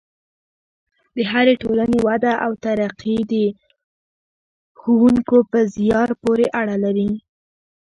د هرې ټولنې وده او ترقي د ښوونکو په زیار پورې اړه لري.